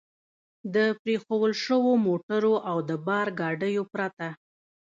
د پرېښوول شوو موټرو او د بار ګاډیو پرته.